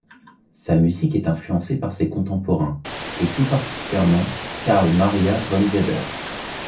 Sa musique est influencée par ses contemporains, et tout particulièrement Carl Maria von Weber.